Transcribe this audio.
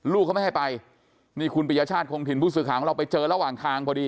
ลูกเขาไม่ให้ไปนี่คุณปริยชาติคงถิ่นผู้สื่อข่าวของเราไปเจอระหว่างทางพอดี